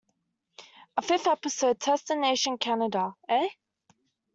A fifth episode "Test the Nation: Canada Eh?